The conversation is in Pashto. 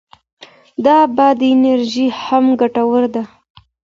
د باد انرژي هم ګټوره ده.